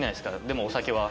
でもお酒は？